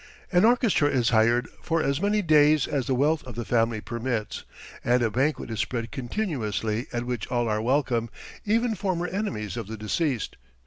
An orchestra is hired for as many days as the wealth of the family permits, and a banquet is spread continuously at which all are welcome, even former enemies of the deceased.